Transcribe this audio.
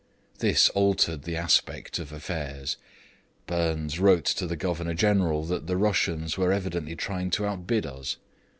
This altered the aspect of affairs. Burnes wrote to the Governor General that the Russians were evidently trying to outbid us.